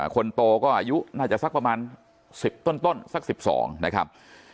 คนโตก็อายุน่าจะสักประมาณ๑๐ต้นสัก๑๒นะครับ